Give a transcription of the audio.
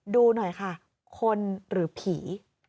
ดูหน่อยค่ะคนหรือผี